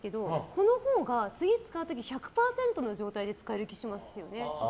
このほうが次使う時１００％で使える気がしますよね。